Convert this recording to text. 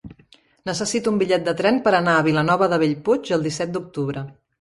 Necessito un bitllet de tren per anar a Vilanova de Bellpuig el disset d'octubre.